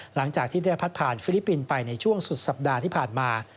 หลังจากที่ได้พัดผ่านฟิลิปปินส์ไปในช่วงสุดสัปดาห์ที่ผ่านมา